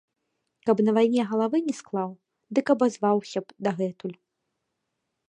Каб на вайне галавы не склаў, дык абазваўся б дагэтуль.